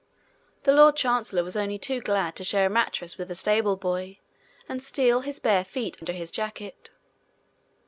The lord chancellor was only too glad to share a mattress with a stableboy, and steal his bare feet under his jacket.